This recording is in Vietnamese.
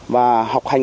và học hành